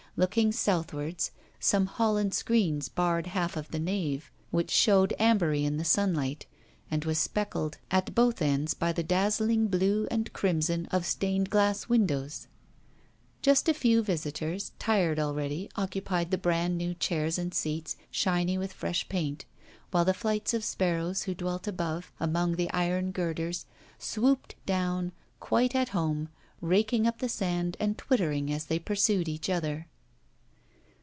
Looking southwards, some holland screens barred half of the nave, which showed ambery in the sunlight and was speckled at both ends by the dazzling blue and crimson of stained glass windows. Just a few visitors, tired already, occupied the brand new chairs and seats, shiny with fresh paint; while the flights of sparrows, who dwelt above, among the iron girders, swooped down, quite at home, raking up the sand and twittering as they pursued each other.